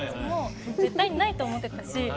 もう絶対にないと思ってたし。